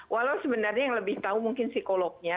walau sebenarnya yang lebih tahu mungkin psikolognya